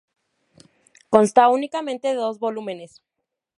Constaba únicamente de dos volúmenes.